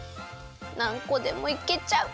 なんこでもいけちゃう！